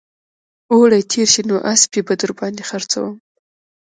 اوړي تېر شي نو اسپې به در باندې خرڅوم